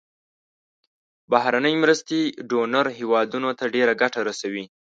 بهرنۍ مرستې ډونر هیوادونو ته ډیره ګټه رسوي.